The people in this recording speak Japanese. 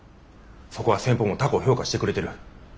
そこは先方も高う評価してくれとる。